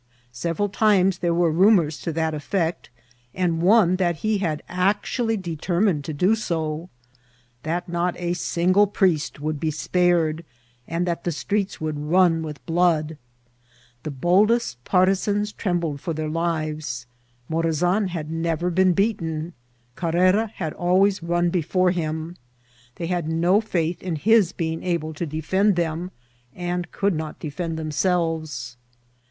Several times there were rumours to that effect, and one that he had actuaUy de termined to do so ; that not a single priest would be spared, and that the streets would run with blood. The boldest partisans trembled for their lives. Mora san had never been beaten ; Carrera had always run before him ; they had no fidth in his being able to de« OFVICIAL B1TSINX88. fend them, and coold not defend themeelyes.